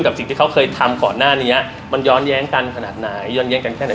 สิ่งที่เขาเคยทำก่อนหน้านี้มันย้อนแย้งกันขนาดไหนย้อนแย้งกันแค่ไหน